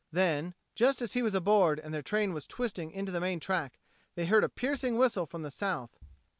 Then, just as he was aboard and their train was twisting into the main track, they heard a piercing whistle from the south.